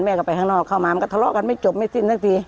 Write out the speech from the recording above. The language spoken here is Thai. ไปข้างนอกเข้ามามันก็ทะเลาะกันไม่จบไม่สิ้นสักที